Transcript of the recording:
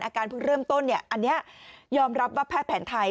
เพิ่งเริ่มต้นอันนี้ยอมรับว่าแพทย์แผนไทย